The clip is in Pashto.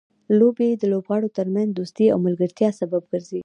لوبې د لوبغاړو ترمنځ دوستۍ او ملګرتیا سبب ګرځي.